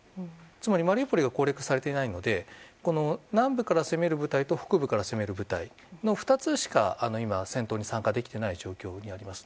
つまりマリウポリが攻略されていないので南部から攻める部隊と北部から攻める部隊の２つしか今、戦闘に参加できていない状況にあります。